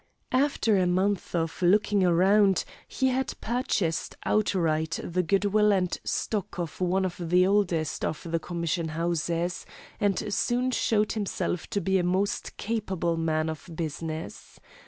After a month of "looking around" he had purchased outright the goodwill and stock of one of the oldest of the commission houses, and soon showed himself to be a most capable man of business.